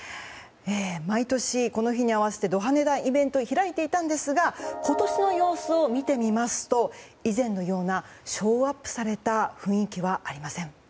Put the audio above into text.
毎年、この日に合わせてド派手なイベントを開いていたんですが今年の様子を見てみますと以前のようなショーアップされた雰囲気はありません。